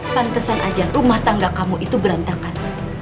pantesan aja rumah tangga kamu itu berantakan